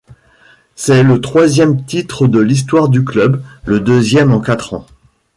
C'est le troisième titre de l'histoire du club, le deuxième en quatre ans.